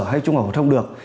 hay trung học hội thông được